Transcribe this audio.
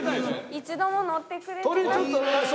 一度も乗ってくれてなくて。